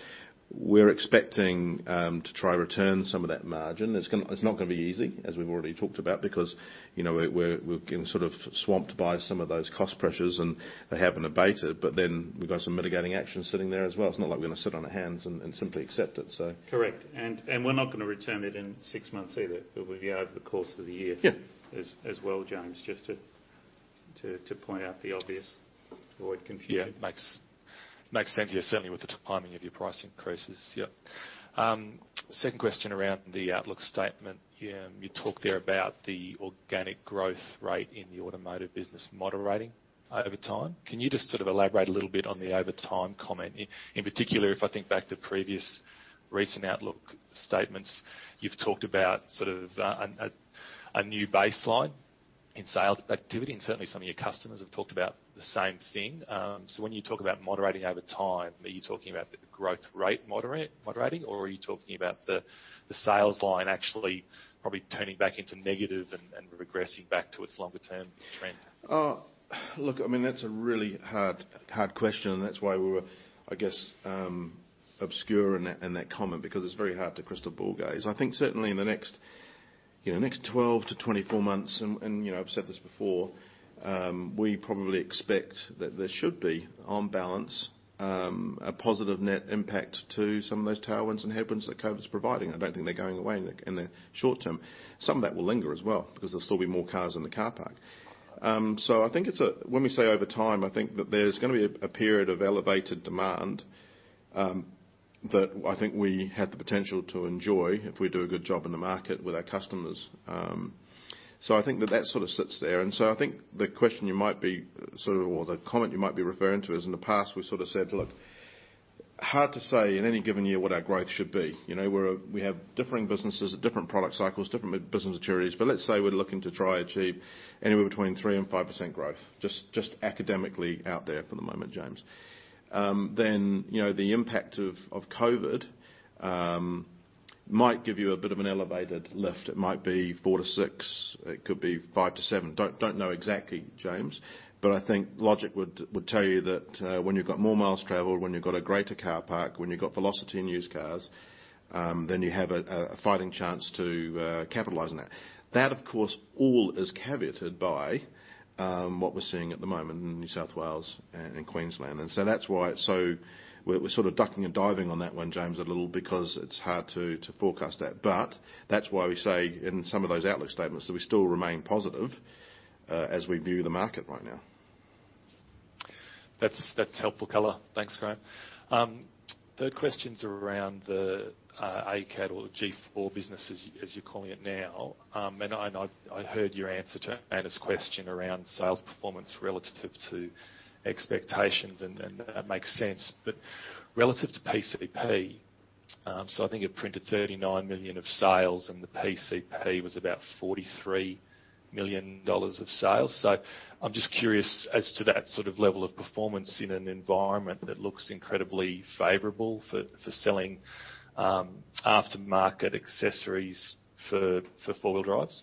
A: We're expecting to try to return some of that margin. It's not going to be easy, as we've already talked about, because we're getting sort of swamped by some of those cost pressures, and they haven't abated. We've got some mitigating actions sitting there as well. It's not like we're going to sit on our hands and simply accept it.
B: Correct. We're not going to return it in six months either, but it'll be over the course of the year as well, James, just to point out the obvious, avoid confusion.
A: Yeah.
F: Makes sense.
A: Yeah,
F: certainly with the timing of your price increases.
A: Yep.
F: Second question around the outlook statement. You talked there about the organic growth rate in the automotive business moderating over time. Can you just sort of elaborate a little bit on the over time comment? In particular, if I think back to previous recent outlook statements, you've talked about sort of a new baseline in sales activity, and certainly some of your customers have talked about the same thing. When you talk about moderating over time, are you talking about the growth rate moderating, or are you talking about the sales line actually probably turning back into negative and regressing back to its longer-term trend?
A: Look, that's a really hard question, and that's why we were, I guess, obscure in that comment, because it's very hard to crystal ball gaze. I think certainly in the next 12 to 24 months, and I've said this before, we probably expect that there should be, on balance, a positive net impact to some of those tailwinds and headwinds that COVID's providing. I don't think they're going away in the short term. Some of that will linger as well, because there'll still be more cars in the car park. I think when we say over time, I think that there's going to be a period of elevated demand that I think we have the potential to enjoy if we do a good job in the market with our customers. I think that that sort of sits there. I think the question you might be, or the comment you might be referring to, is in the past we've sort of said, look, hard to say in any given year what our growth should be. We have differing businesses at different product cycles, different business maturities, but let's say we're looking to try achieve anywhere between 3% and 5% growth, just academically out there for the moment, James. The impact of COVID might give you a bit of an elevated lift. It might be 4% to 6%, it could be 5% to 7%. Don't know exactly, James. I think logic would tell you that when you've got more miles traveled, when you've got a greater car park, when you've got velocity in used cars, then you have a fighting chance to capitalize on that. That, of course, all is caveated by what we're seeing at the moment in New South Wales and Queensland. That's why we're sort of ducking and diving on that one, James, a little because it's hard to forecast that. That's why we say in some of those outlook statements that we still remain positive as we view the market right now.
F: That's helpful color. Thanks, Graeme. Third question's around the ACAD or the G4 business, as you're calling it now. I heard your answer to Anna's question around sales performance relative to expectations, and that makes sense. Relative to PCP, I think it printed 39 million of sales and the PCP was about 43 million dollars of sales. I'm just curious as to that sort of level of performance in an environment that looks incredibly favorable for selling aftermarket accessories for four-wheel drives.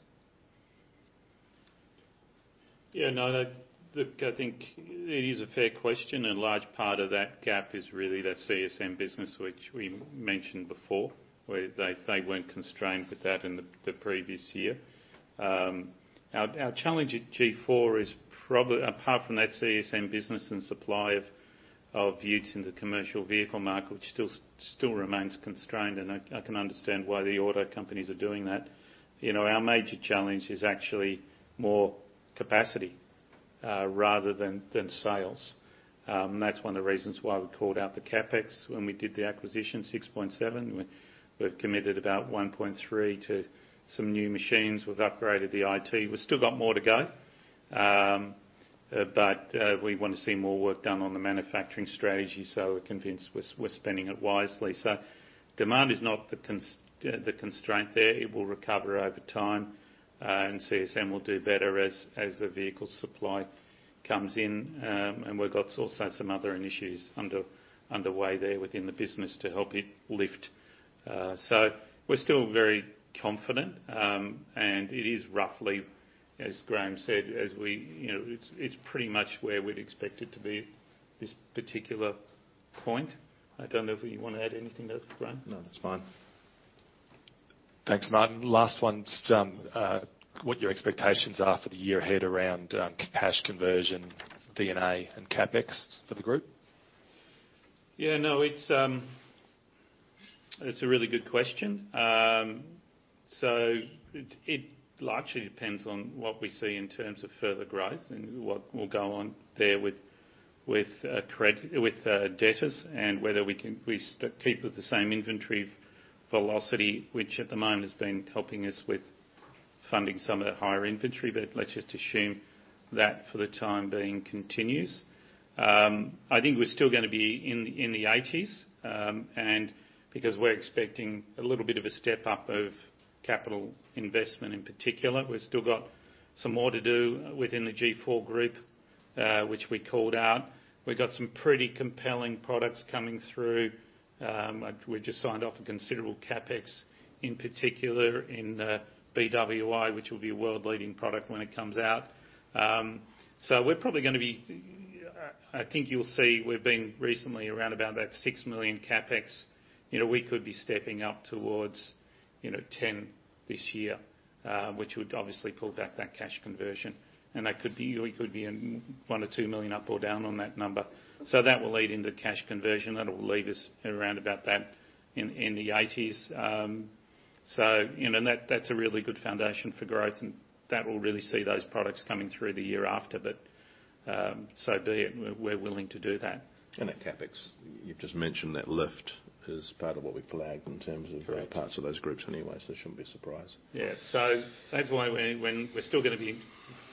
B: Yeah, no, look, I think it is a fair question. A large part of that gap is really that CSM business, which we mentioned before, where they weren't constrained with that in the previous year. Our challenge at G4 is probably, apart from that CSM business and supply of utes in the commercial vehicle market, which still remains constrained. I can understand why the auto companies are doing that. Our major challenge is actually more capacity rather than sales. That's one of the reasons why we called out the CapEx when we did the acquisition, 6.7. We've committed about 1.3 to some new machines. We've upgraded the IT. We've still got more to go. We want to see more work done on the manufacturing strategy, we're convinced we're spending it wisely. Demand is not the constraint there. It will recover over time. CSM will do better as the vehicle supply comes in. We've got also some other initiatives underway there within the business to help it lift. We're still very confident, and it is roughly, as Graeme said, it's pretty much where we'd expect it to be this particular point. I don't know if you want to add anything to that, Graeme?
A: No, that's fine.
F: Thanks, Martin. Last one's what your expectations are for the year ahead around cash conversion, D&A and CapEx for the group?
B: Yeah, no, it's a really good question. It largely depends on what we see in terms of further growth and what will go on there with debtors and whether we keep with the same inventory velocity, which at the moment has been helping us with funding some of the higher inventory. Let's just assume that for the time being continues. I think we're still going to be in the 80s, and because we're expecting a little bit of a step up of capital investment in particular. We've still got some more to do within the G4 group, which we called out. We've got some pretty compelling products coming through. We just signed off a considerable CapEx, in particular in BWI, which will be a world-leading product when it comes out. We're probably going to be I think you'll see we've been recently around about that 6 million CapEx. We could be stepping up towards 10 million this year, which would obviously pull back that cash conversion. That could be, we could be 1 million or 2 million up or down on that number. That will lead into cash conversion. That'll leave us around about that in the 80s. That's a really good foundation for growth, and that will really see those products coming through the year after, but so be it. We're willing to do that.
A: That CapEx, you've just mentioned that lift is part of what we flagged in terms of.
B: Correct
A: parts of those groups anyway, so it shouldn't be a surprise.
B: Yeah. That's why we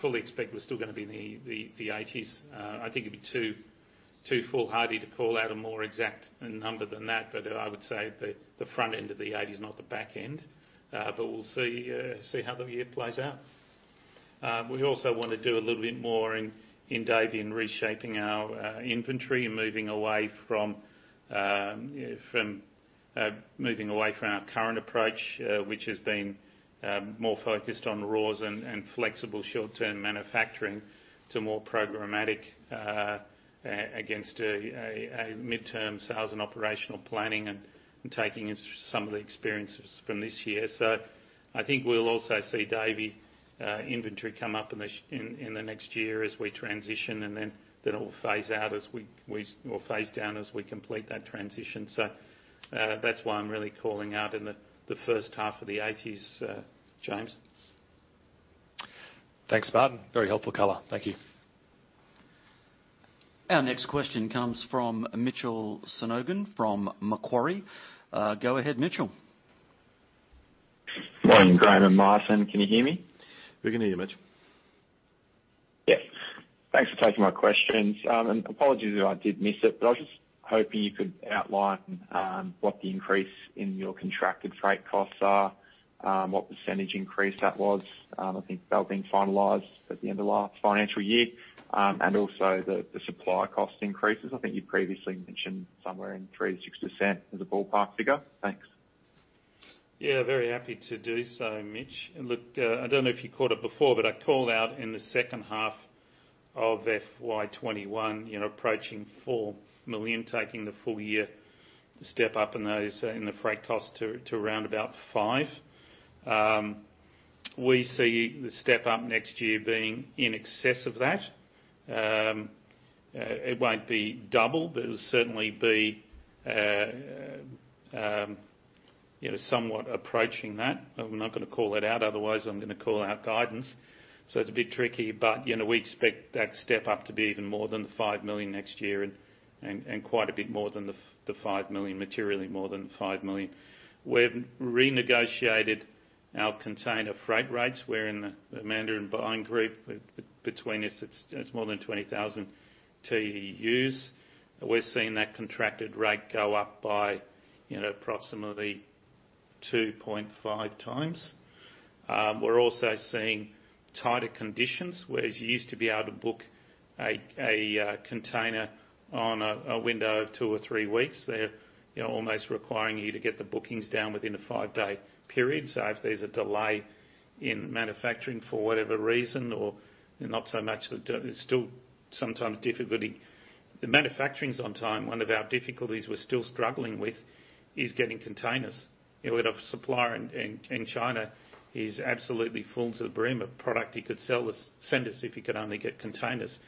B: fully expect we're still going to be in the 80s. I think it'd be too foolhardy to call out a more exact number than that, but I would say the front end of the 80s, not the back end. We'll see how the year plays out. We also want to do a little bit more in Davey reshaping our inventory and moving away from our current approach, which has been more focused on raws and flexible short-term manufacturing to more programmatic against a mid-term sales and operational planning and taking in some of the experiences from this year. I think we'll also see Davey inventory come up in the next year as we transition, and then it'll phase down as we complete that transition. That's why I'm really calling out in the first half of the eighties, James.
F: Thanks, Martin. Very helpful color. Thank you.
C: Our next question comes from Mitchell Sonogan from Macquarie. Go ahead, Mitchell.
G: Morning, Graeme and Martin. Can you hear me?
A: We can hear you, Mitch.
G: Yes. Thanks for taking my questions. Apologies if I did miss it, but I was just hoping you could outline what the increase in your contracted freight costs are, what % increase that was. I think that was being finalized at the end of last financial year. Also the supplier cost increases. I think you previously mentioned somewhere in 3% to 6% as a ballpark figure. Thanks.
B: Yeah, very happy to do so, Mitch. Look, I don't know if you caught it before, but I called out in the second half of FY 2021, approaching 4 million, taking the full year step up in the freight cost to around about 5 million. We see the step up next year being in excess of that. It won't be double, but it'll certainly be somewhat approaching that. I'm not gonna call it out, otherwise I'm gonna call out guidance. It's a bit tricky. We expect that step up to be even more than the 5 million next year and quite a bit more than the 5 million, materially more than 5 million. We've renegotiated our container freight rates. We're in The Mandarin Buying Group. Between us, it's more than 20,000 TEUs. We're seeing that contracted rate go up by approximately 2.5x. We're also seeing tighter conditions. Whereas you used to be able to book a container on a window of two or three weeks, they're almost requiring you to get the bookings down within a five-day period. If there's a delay in manufacturing for whatever reason or not so much, there's still sometimes difficulty. The manufacturing's on time, one of our difficulties we're still struggling with is getting containers. We'd have supplier in China who's absolutely full to the brim of product he could send us if he could only get containers.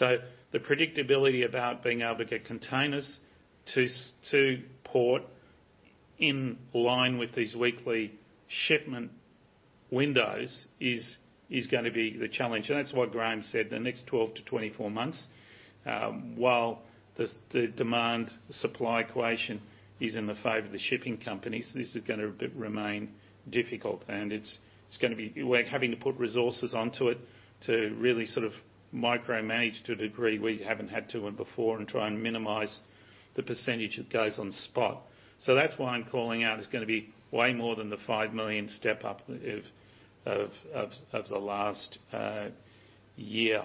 B: The predictability about being able to get containers to port in line with these weekly shipment windows is gonna be the challenge. That's why Graeme said the next 12 to 24 months, while the demand supply equation is in the favor of the shipping companies, this is gonna remain difficult. We're having to put resources onto it to really micromanage to a degree we haven't had to before and try and minimize the % that goes on spot. That's why I'm calling out it's going to be way more than the 5 million step-up of the last year.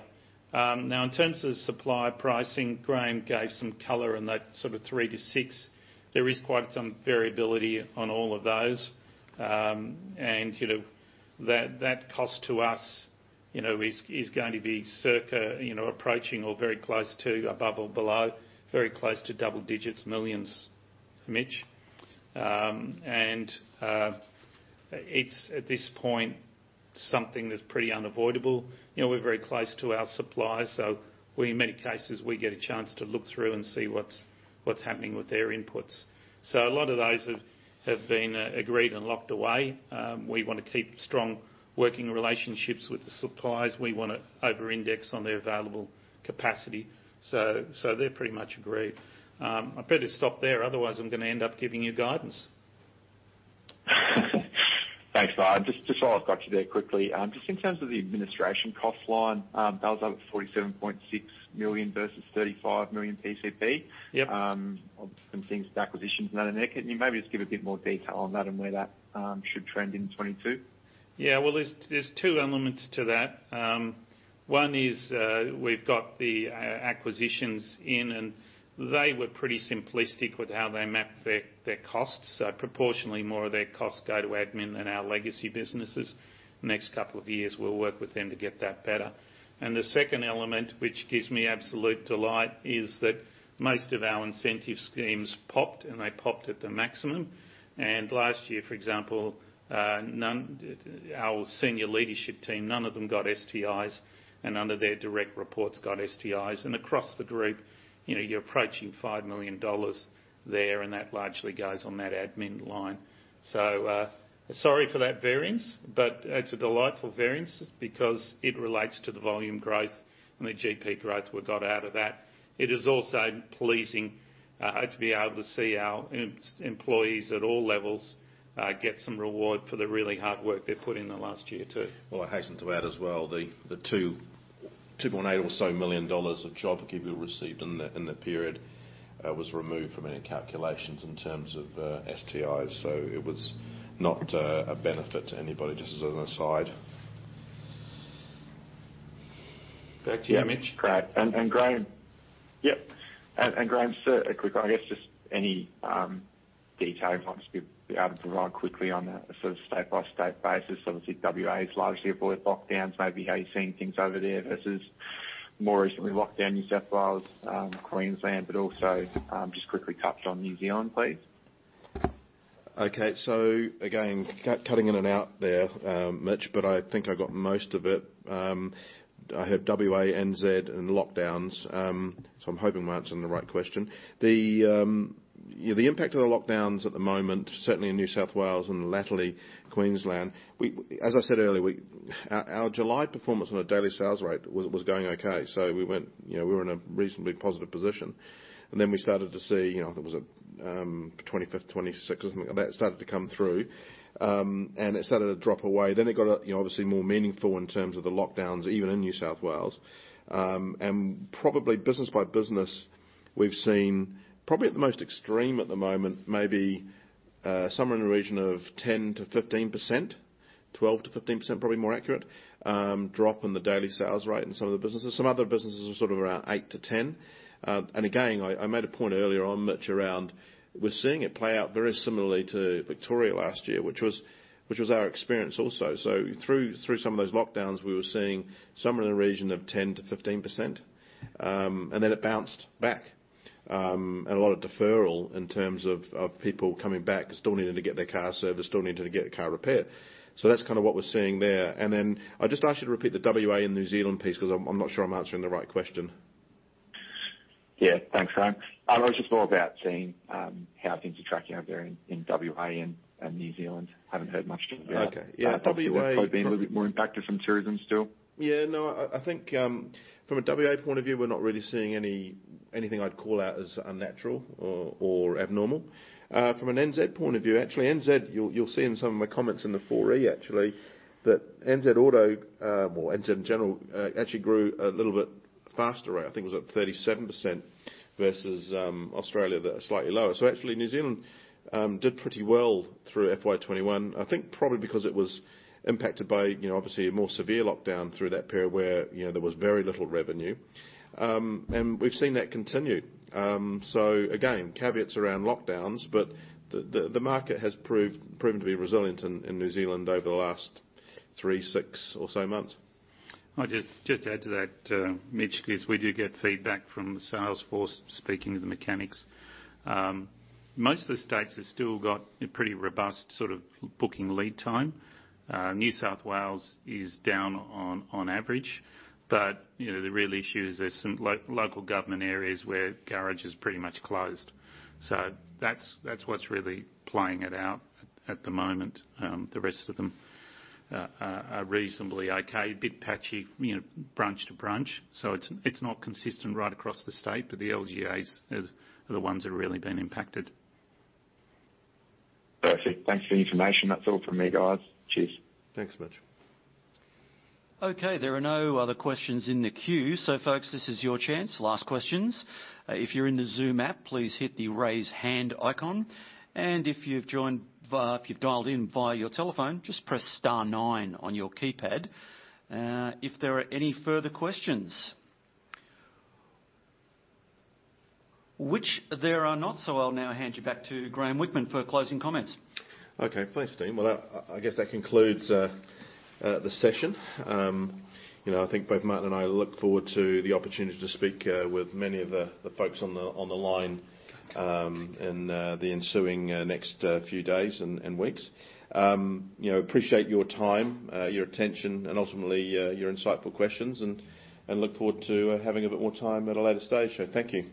B: In terms of supplier pricing, Graeme gave some color in that three to six. There is quite some variability on all of those. That cost to us is going to be circa, approaching or very close to above or below, very close to double digits millions, Mitch. It's, at this point, something that's pretty unavoidable. We're very close to our suppliers, so we in many cases get a chance to look through and see what's happening with their inputs. A lot of those have been agreed and locked away. We want to keep strong working relationships with the suppliers. We want to over-index on their available capacity. They're pretty much agreed. I better stop there, otherwise I'm gonna end up giving you guidance.
G: Thanks, Martin. Just while I've got you there quickly, just in terms of the administration cost line, that was up at 47.6 million versus 35 million PCP.
B: Yep.
G: Obviously, some things, the acquisition's not in there. Can you maybe just give a bit more detail on that and where that should trend in 2022?
B: Well, there's two elements to that. One is we've got the acquisitions in, they were pretty simplistic with how they map their costs. Proportionally more of their costs go to admin than our legacy businesses. Next couple of years, we'll work with them to get that better. The second element, which gives me absolute delight, is that most of our incentive schemes popped, and they popped at the maximum. Last year, for example, our senior leadership team, none of them got STIs and none of their direct reports got STIs. Across the group, you're approaching 5 million dollars there, and that largely goes on that admin line. Sorry for that variance, but it's a delightful variance because it relates to the volume growth and the GP growth we got out of that. It is also pleasing to be able to see our employees at all levels get some reward for the really hard work they put in the last year, too.
A: Well, I hasten to add as well, the 2.8 million or so of JobKeeper received in the period was removed from any calculations in terms of STIs. It was not a benefit to anybody, just as an aside.
C: Back to you, Mitch.
G: Great. Graeme?
A: Yep.
G: Graeme, quick, just any details you might be able to provide quickly on a state-by-state basis? Obviously, WA has largely avoided lockdowns. Maybe how you're seeing things over there versus more recently locked down New South Wales, Queensland, but also just quickly touch on New Zealand, please.
A: Okay. Again, cutting in and out there, Mitch, but I think I got most of it. I heard W.A., N.Z., and lockdowns, I'm hoping I'm answering the right question. The impact of the lockdowns at the moment, certainly in New South Wales and latterly Queensland, as I said earlier, our July performance on a daily sales rate was going okay. We were in a reasonably positive position. I started to see, there was a 25th, 26th or something like that, it started to come through, and it started to drop away. It got obviously more meaningful in terms of the lockdowns, even in New South Wales. Probably business by business, we've seen probably at the most extreme at the moment, maybe somewhere in the region of 10% to 15%, 12% to 15% probably more accurate, drop in the daily sales rate in some of the businesses. Some other businesses are sort of around 8% to 10%. Again, I made a point earlier on, Mitch, around we're seeing it play out very similarly to Victoria last year, which was our experience also. Through some of those lockdowns, we were seeing somewhere in the region of 10% to 15%, and then it bounced back. A lot of deferral in terms of people coming back, still needing to get their car serviced, still needing to get their car repaired. That's kind of what we're seeing there. Then I'll just ask you to repeat the WA and New Zealand piece, because I'm not sure I'm answering the right question.
G: Yeah, thanks, Graeme. It was just more about seeing how things are tracking over there in WA and New Zealand. Haven't heard much.
A: Okay. Yeah.
G: Probably been a little bit more impacted from tourism still.
A: Yeah, no, I think from a W.A. point of view, we're not really seeing anything I'd call out as unnatural or abnormal. From an N.Z. point of view, actually, N.Z., you'll see in some of my comments in the 4E actually, that N.Z. auto, or N.Z. in general, actually grew a little bit faster rate. I think it was up 37% versus Australia that was slightly lower. Actually, New Zealand did pretty well through FY 2021. I think probably because it was impacted by obviously a more severe lockdown through that period where there was very little revenue. We've seen that continue. Again, caveats around lockdowns, but the market has proven to be resilient in New Zealand over the last three, six or so months.
B: I'll just add to that, Mitch, because we do get feedback from the sales force, speaking to the mechanics. Most of the states have still got a pretty robust sort of booking lead time. New South Wales is down on average, but the real issue is there's some local government areas where garages pretty much closed. That's what's really playing it out at the moment. The rest of them are reasonably okay. It's a bit patchy branch to branch. It's not consistent right across the state, but the LGAs are the ones that have really been impacted.
G: Perfect. Thanks for the information. That's all from me, guys. Cheers.
A: Thanks, Mitch.
C: Okay, there are no other questions in the queue. Folks, this is your chance. Last questions. If you're in the Zoom app, please hit the raise hand icon. If you've dialed in via your telephone, just press star 9 on your keypad if there are any further questions. Which there are not. I'll now hand you back to Graeme Whickman for closing comments.
A: Okay. Thanks, Dean. Well, I guess that concludes the session. I think both Martin and I look forward to the opportunity to speak with many of the folks on the line in the ensuing next few days and weeks. Appreciate your time, your attention, and ultimately, your insightful questions and look forward to having a bit more time at a later stage. Thank you.